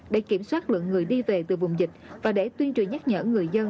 để kiểm soát lượng người đi về từ vùng dịch và để tuyên truyền nhắc nhở người dân